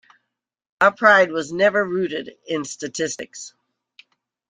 Our pride was never rooted in statistics.